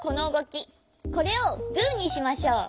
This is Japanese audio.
これをグーにしましょう。